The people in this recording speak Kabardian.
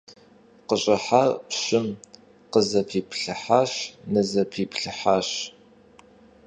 КъыщӀыхьар пщым къызэпиплъыхьащ, нызэпиплъыхьащ.